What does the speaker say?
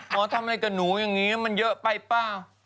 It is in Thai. ไม่ได้ที่สมุยแหละ